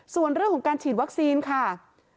ส่วนเรื่องของการฉีดวัคซีนค่ะ